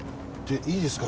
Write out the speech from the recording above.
いいですか？